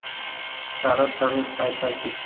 ساده سړی خدای ساتي .